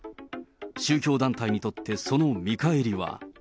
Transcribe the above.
宗教団体にとってその見返りは。